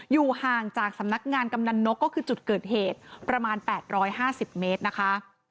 อยู่ห่างจากสำนักงานกำนันนกก็คือจุดเกิดเหตุประมาณ๘๕๐เมตรนะคะ